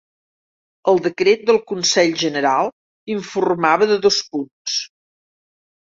El decret del Consell General informava de dos punts.